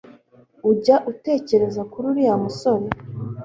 Ujya utekereza kuri uriya musore